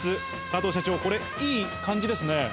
加藤社長いい感じですね。